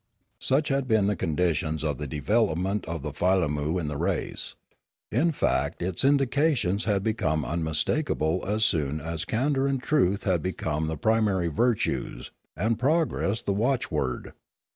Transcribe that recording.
Such had been the conditions of the development of the filammu in the race. In fact its indications had be come unmistakable as soon as candour and truth had become the primary virtues, and progress the watch word.